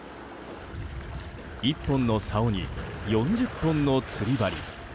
１本のさおに４０本の釣り針。